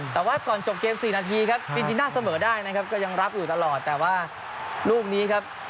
แต่ว่าก่อนจบเกม๔นาทีครับจีน่าเสมอได้นะครับก็ยังรับอยู่ตลอดแต่ว่าลูกนี้ครับ